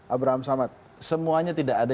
abraham samad semuanya tidak ada